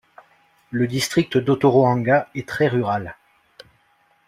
Le district d'Otorohanga est très rural.